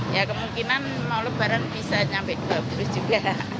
ya kemungkinan mau lebaran bisa sampai dua puluh juga